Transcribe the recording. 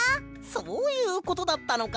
そういうことだったのか。